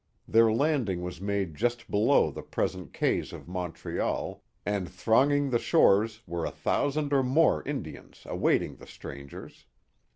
Their landing was made just below the present quays of Montreal, and thronging the shores were a thousand or more Indians await ing the strangers.